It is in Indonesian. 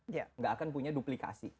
tidak akan punya duplikasi